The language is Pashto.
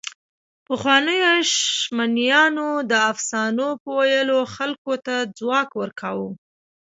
پخوانيو شمنیانو د افسانو په ویلو خلکو ته ځواک ورکاوه.